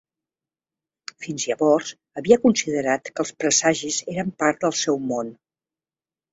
Fins llavors, havia considerat que els presagis eren part del seu món.